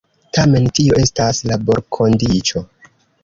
Tamen tio estas laborkondiĉo.